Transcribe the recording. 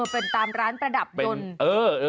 เป็นตามร้านประดับยนต์